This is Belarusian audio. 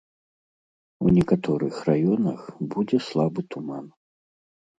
У некаторых раёнах будзе слабы туман.